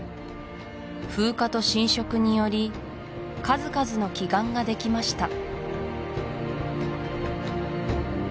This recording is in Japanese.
風化と浸食により数々の奇岩ができました